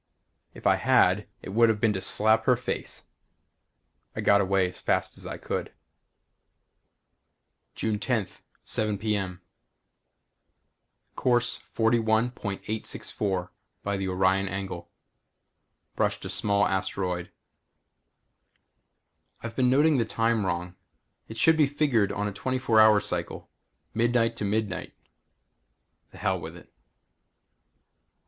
If I had it would have been to slap her face. I got away as fast as I could. June 10th, 7 p. m. Course 41.864 by the Orion angle. Brushed a small asteroid. I've been noting the time wrong. It should be figured on a twenty four hour cycle. Midnight to midnight, the hell with it.